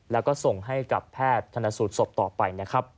แล้วก็ส่งให้กับแพทย์ธนสูตรศพต่อไปนะครับ